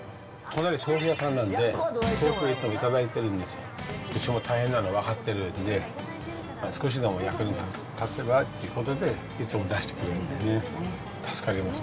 隣、豆腐屋さんなんで、豆腐をいつも頂いてるんですけど、うちも大変なのは分かってるんで、少しでも役に立てばということで、いつも出してくれるんだよね。